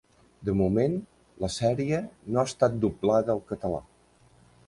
De moment, la sèrie no ha estat doblada al català.